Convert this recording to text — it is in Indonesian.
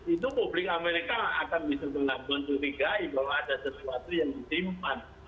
itu publik amerika akan bisa menganggur dan curigai bahwa ada sesuatu yang ditimpan